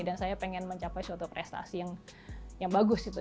dan saya pengen mencapai suatu prestasi yang bagus gitu